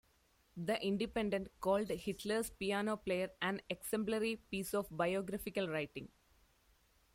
"The Independent" called "Hitler's Piano Player" "an exemplary piece of biographical writing".